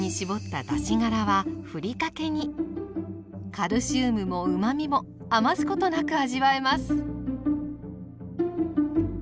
カルシウムもうまみも余すことなく味わえます。